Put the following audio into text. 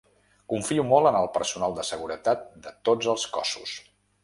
Confio molt en el personal de seguretat de tots els cossos.